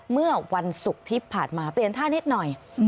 เมื่อวันศุกร์ที่ผ่านมาเปลี่ยนท่านิดหน่อย